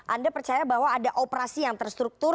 anda percaya bahwa ada operasi yang terstruktur